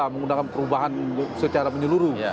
menggunakan perubahan secara menyeluruh